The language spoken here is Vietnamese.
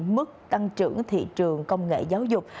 mức tăng trưởng thị trường công nghệ giáo dục